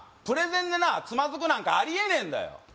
プレゼンでなつまずくなんかありえねんだよ